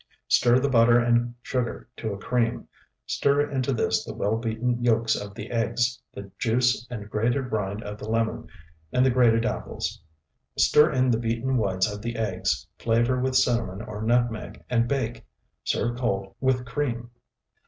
Stir the butter and sugar to a cream; stir into this the well beaten yolks of the eggs, the juice and grated rind of the lemon, and the grated apples. Stir in the beaten whites of the eggs, flavor with cinnamon or nutmeg, and bake. Serve cold with cream.